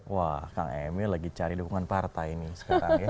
wah kang emil lagi cari dukungan partai ini sekarang ya